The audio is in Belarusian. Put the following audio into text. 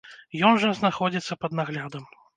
Ён жа знаходзіцца пад наглядам.